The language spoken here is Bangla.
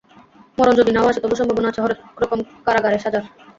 মরণ যদি নাও আসে তবু সম্ভাবনা আছে হরেক রকম কারাগারের সাজার।